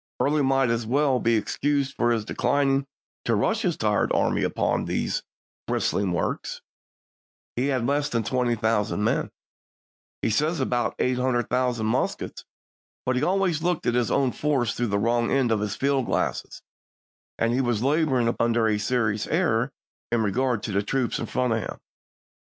Early might well be excused for declining to rush his tired army upon those brist ling works; he had less than 20,000 men — he says " about 8000 muskets," but he always looked at his own force through the wrong end of his field glass — and he was laboring under a serious error in regard to the troops in front of him.